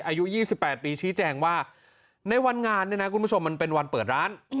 อายุ๒๘ปีชี้แจงว่าในวันงานเนี่ยนะคุณผู้ชมมันเป็นวันเปิดร้าน